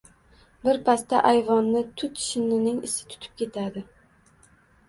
Birpasda ayvonni tut shinnining isi tutib ketadi...